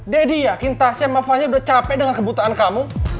daddy yakin tasya sama fanny udah capek dengan kebutuhan kamu